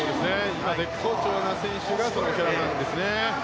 今、絶好調な選手がオキャラハンですね。